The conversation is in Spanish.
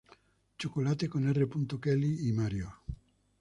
Chocolate" con R. Kelly y Mario.